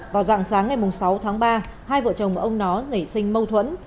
vào dạng sáng ngày sáu tháng ba hai vợ chồng ông nó nảy sinh mâu thuẫn